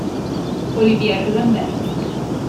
Olivier Lambert